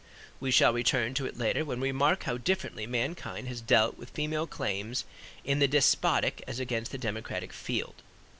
We shall return to it later when we remark how differently mankind has dealt with female claims in the despotic as against the democratic field.